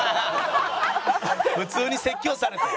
普通に説教された。